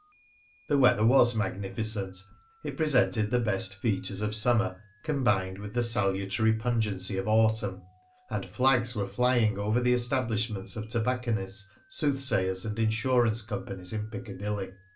The weather was magnificent; it presented the best features of summer combined with the salutary pungency of autumn. And flags were flying over the establishments of tobacconists, soothsayers, and insurance companies in Piccadilly.